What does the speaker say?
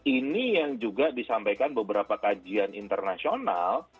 ini yang juga disampaikan beberapa kajian internasional